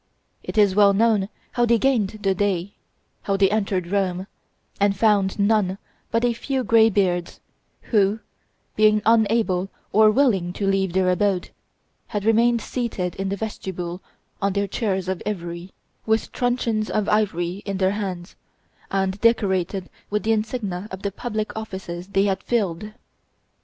It is well known how they gained the day; how they entered Rome, and found none but a few gray beards, who, being unable or unwilling to leave their abode, had remained seated in the vestibule on their chairs of ivory, with truncheons of ivory in their hands, and decorated with the insignia of the public offices they had filled.